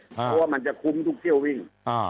เพราะว่ามันจะคุ้มทุกเที่ยววิ่ง